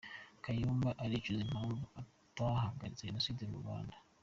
kayumba aricuza impamvu atahagaritse Jenoside mu Rwanda